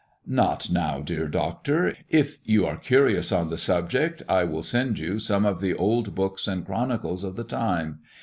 "Not now, dear Doctor. If you are curious on the subject, I will send you some of the old books and chronicles of the time.